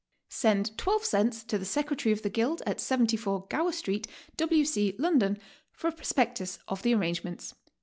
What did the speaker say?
Send 12 cents to the Secretary of the Guild at 74, Gower St., W. C., London, for a prospectus of the arrangements.